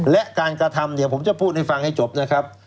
และการกระทำเนี่ยผมจะพูดให้ฟังให้จบนะครับ